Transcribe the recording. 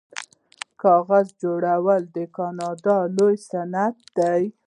کاغذ جوړول د کاناډا لوی صنعت دی.